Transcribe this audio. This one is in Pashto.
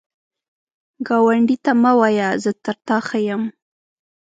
ګاونډي ته مه وایه “زه تر تا ښه یم”